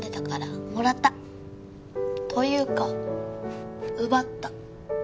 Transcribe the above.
というか奪った。